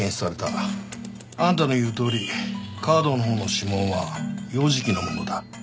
あんたの言うとおりカードのほうの指紋は幼児期のものだ。